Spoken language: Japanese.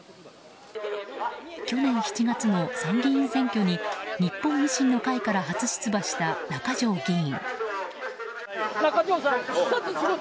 去年７月の参議院選挙に日本維新の会から初出馬した中条議員。